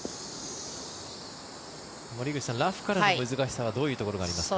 森口さんラフからの難しさはどういうところにありますか？